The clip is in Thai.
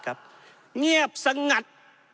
เงียบสงัด